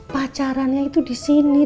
pacarannya itu disini